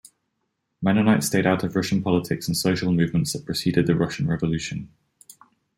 Mennonites stayed out of Russian politics and social movements that preceded the Russian revolution.